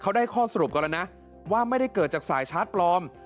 เขาได้ข้อสรุปกันแล้วนะว่าไม่ได้เกิดจากสายชาร์จปลอม